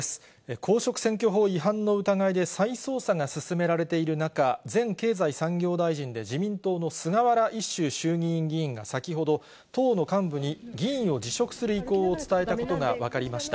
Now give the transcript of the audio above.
公職選挙法違反の疑いで再捜査が進められている中、前経済産業大臣で自民党の菅原一秀衆議院議員が先ほど、党の幹部に議員を辞職する意向を伝えたことが分かりました。